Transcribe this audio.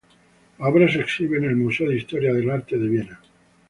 La obra se exhibe en el Museo de Historia del Arte de Viena.